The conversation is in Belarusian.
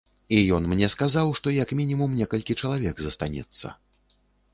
І ён мне сказаў, што як мінімум некалькі чалавек застанецца.